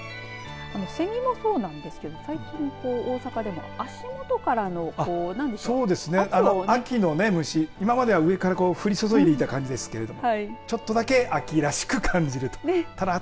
セミもそうなんですけど最近、大阪でも足元からの秋の虫、今までは降り注いでいた感じですけどちょっとだけ秋らしく感じると。